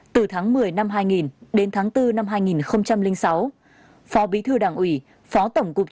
từ tháng một mươi năm hai nghìn đến tháng bốn năm hai nghìn sáu phó bí thư đảng ủy phó tổng cục